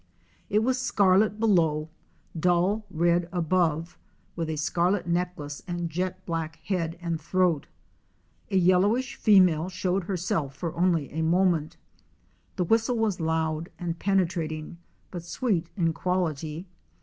It was scarlet below, dull red above, with a scarlet necklace and a jet black head and throat. A yellowish female showed herself for only a moment. The whistle was loud and penetrating, but sweet in quality.